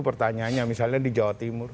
pertanyaannya misalnya di jawa timur